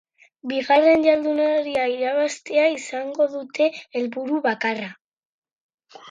Bigarren jardunaldia irabaztea izango dute helburu bakarra.